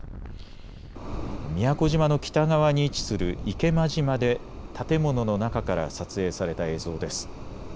宮古島の北側に位置する池間島で建物の中から撮影された映像です。